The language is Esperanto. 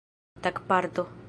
tagparto